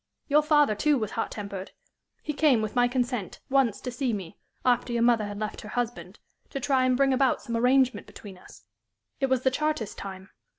Your father, too, was hot tempered. He came, with my consent, once to see me after your mother had left her husband to try and bring about some arrangement between us. It was the Chartist time.